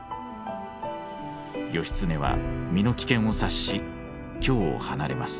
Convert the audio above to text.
義経は身の危険を察し京を離れます。